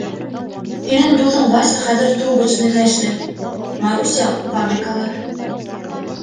— Һинең дуҫың Вася хәҙер Трубочныйҙа эшләй, Маруся фабрикала.